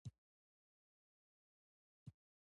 په افغانستان کې انګور ډېر زیات اهمیت لري.